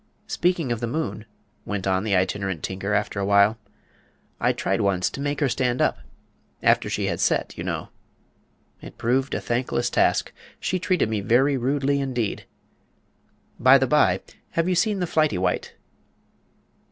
"Speaking of the moon," went on the Itinerant Tinker after a while, "I tried once to make her stand up after she had set, you know. It proved a thankless task. She treated me very rudely, indeed. By the by, have you seen the Flighty wight?"